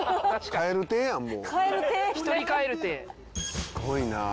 すごいなあ。